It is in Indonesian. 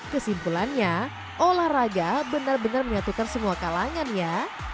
kesimpulannya olahraga benar benar menyatukan semua kalangan ya